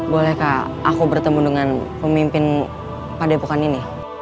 bolehkah aku bertemu dengan pemimpin pada pukul ini